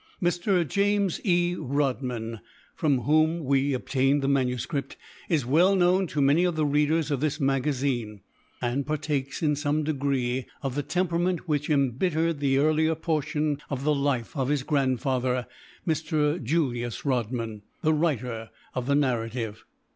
Mr. James E. Rodman, from whom we obtained the MS., is well known to many of the readers of this Magazine; and partakes, in some degree, of that temperament which embittered the earlier portion of the life of his grandfather, Mr. Julius Rodman, the writer of the narrative.